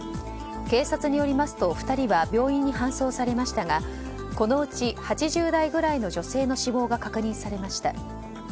警察によりますと２人は病院に搬送されましたがこのうち８０代ぐらいの女性の死亡が確認されました。